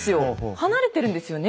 離れてるんですよね。